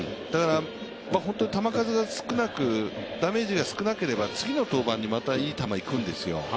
本当に球数が少なく、ダメージが少なければ次の登板にまたいい球がいくんですよ。